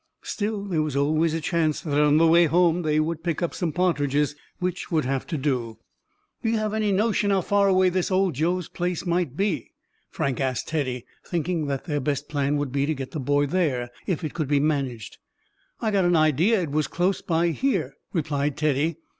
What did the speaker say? Still, there was always a chance that on the way home they would pick up some partridges, which would have to do. "Do you have any notion how far away this Old Joe's place might be?" Frank asked Teddy, thinking that their best plan would be to get the boy there if it could be managed. "I got an idea it was close by here," replied Teddy.